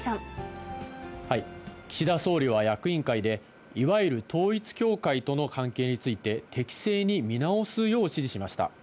岸田総理は役員会で、いわゆる統一教会との関係について、適正に見直すよう指示しました。